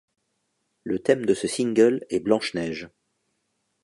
Le thème de ce single est Blanche-Neige.